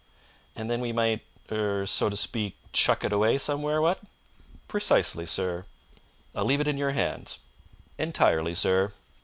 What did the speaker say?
"And then we might er so to speak chuck it away somewhere what?" "Precisely, sir." "I'll leave it in your hands." "Entirely, sir."